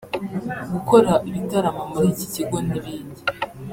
gukora ibitaramo muri iki kigo n’ibindi